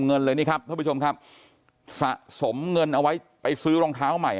เงินเลยนี่ครับท่านผู้ชมครับสะสมเงินเอาไว้ไปซื้อรองเท้าใหม่